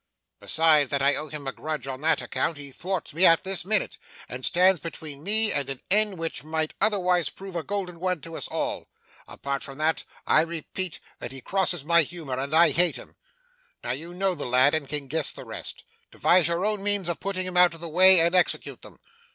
Besides that I owe him a grudge on that account, he thwarts me at this minute, and stands between me and an end which might otherwise prove a golden one to us all. Apart from that, I repeat that he crosses my humour, and I hate him. Now, you know the lad, and can guess the rest. Devise your own means of putting him out of my way, and execute them.